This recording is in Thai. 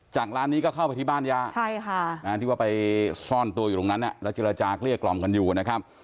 ร้านนี้ก็เข้าไปที่บ้านย่าที่ว่าไปซ่อนตัวอยู่ตรงนั้นแล้วเจรจาเกลี้ยกล่อมกันอยู่นะครับ